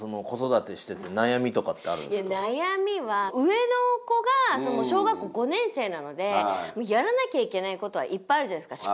悩みは上の子が小学校５年生なのでやらなきゃいけないことはいっぱいあるじゃないですか。